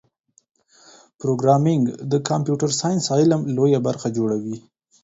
پروګرامېنګ د کمپیوټر ساینس علم لویه برخه جوړوي.